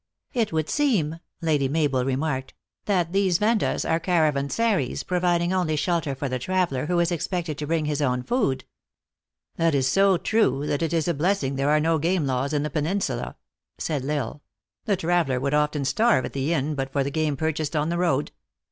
"It would seem," Lady Mabel remarked, "that these Vendas are caravansaries, providing only shel ter for the traveler, who is expected to bring his own food." "This is so true, that it is a blessing there are no game laws in the peninsula," said L Isle. "The traveler would often starve at the inn but for the game purchased on the road.